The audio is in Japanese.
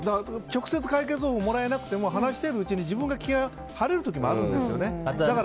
直接、解決方法をもらえなくても話していくうちに気が晴れることがあるんですね。